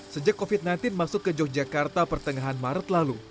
sejak covid sembilan belas masuk ke yogyakarta pertengahan maret lalu